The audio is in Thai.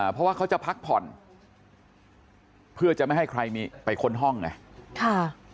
เพราะว่าเขาจะพักผ่อนเพื่อจะไม่ให้ใครมีไปค้นห้องไง